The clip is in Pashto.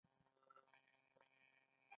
ایا زه باید پارلمان ته لاړ شم؟